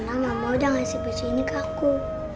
kenapa mama udah ngasih baju ini ke aku